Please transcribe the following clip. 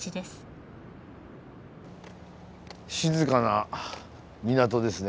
静かな港ですね